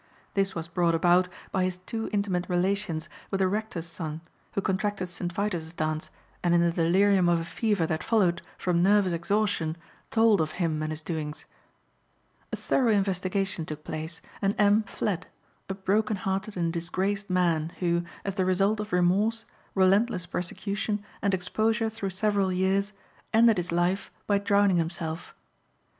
This was brought about by his too intimate relations with the rector's son who contracted St. Vitus's dance and in the delirium of a fever that followed from nervous exhaustion told of him and his doings. A thorough investigation took place and M. fled, a broken hearted and disgraced man, who, as the result of remorse, relentless persecution, and exposure through several years, ended his life by drowning himself.